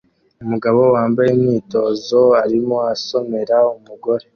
Umugabo wambaye imyitozo arimo asomera umugore